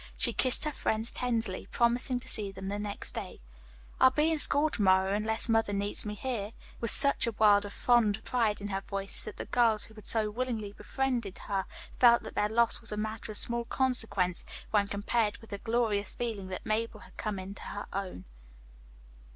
She kissed her friends tenderly, promising to see them the next day. "I'll be in school to morrow unless mother needs me here," she said with such a world of fond pride in her voice that the girls who had so willingly befriended her felt that their loss was a matter of small consequence when compared with the glorious fact that Mabel had come into her own.